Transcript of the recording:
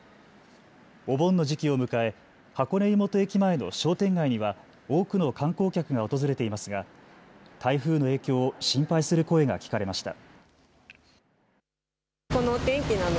お盆の時期を迎え箱根湯本駅前の商店街には多くの観光客が訪れていますが台風の影響を心配する声が聞かれました。